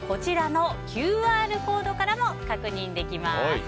ＱＲコードからも確認できます。